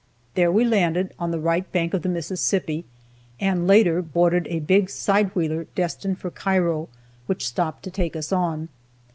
There we landed, on the right bank of the Mississippi, and later boarded a big side wheeler destined for Cairo, which stopped to take us on.